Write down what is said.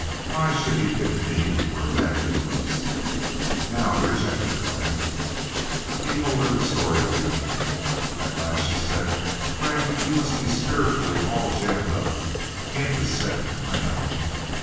Why should he pick me for a bad influence...? Now, your chapter, Frank." He told her the story, briefly. At last she said, "Frank, you must be spiritually all jammed up. Gimp is set, I know..."